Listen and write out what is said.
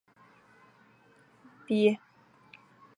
短鳍虫鳗为蠕鳗科虫鳗属的鱼类。